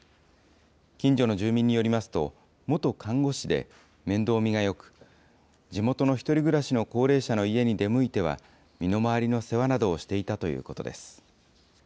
近所の住民によりますと、元看護師で、面倒見がよく、地元の１人暮らしの高齢者の家に出向いては、身の回りの世話などをしていたということです。